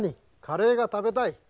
カレーが食べたい？